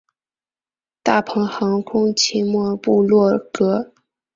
大鹏航空奇摩部落格